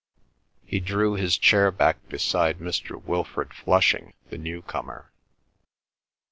He drew his chair beside Mr. Wilfrid Flushing, the newcomer.